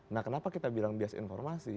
nah kenapa kita bilang bias informasi